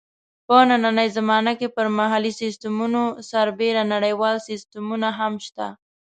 په نننۍ زمانه کې پر محلي سیسټمونو سربېره نړیوال سیسټمونه هم شته.